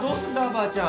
ばあちゃん。